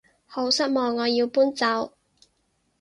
好失望我要搬走